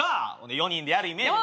４人でやるイメージも。